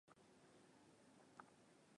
Usikaange viazi lishe kwa moto mkali